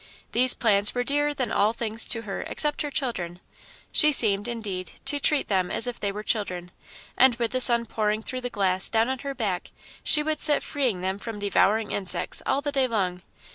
These plants were dearer than all things to her except her children; she seemed, indeed, to treat them as if they were children, and with the sun pouring through the glass down on her back she would sit freeing them from devouring insects all the day long.